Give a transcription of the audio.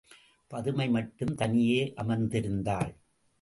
பதுமை மட்டும் தனியே அமர்ந்திருந்தாள்.